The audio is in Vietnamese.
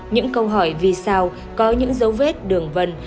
những câu hỏi vì sao có những dấu vết đường vân